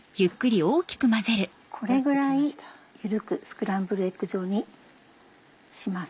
これぐらい緩くスクランブルエッグ状にします。